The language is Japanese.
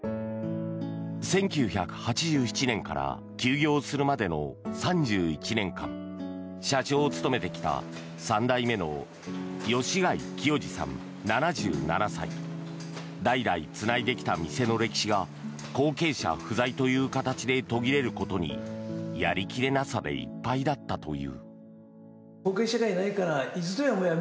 １９８７年から休業するまでの３１年間社長を務めてきた３代目の吉開喜代次さん、７７歳代々つないできた店の歴史が後継者不在という形で途切れることにやり切れなさでいっぱいだったという。